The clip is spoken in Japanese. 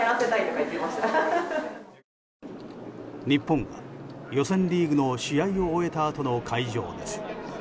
日本、予選リーグの試合を終えたあとの会場です。